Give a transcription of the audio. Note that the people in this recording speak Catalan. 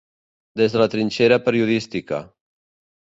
Des de la trinxera periodística.